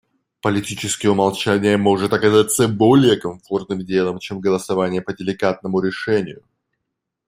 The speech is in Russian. Политически умолчание может оказаться более комфортным делом, чем голосование по деликатному решению.